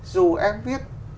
dù em viết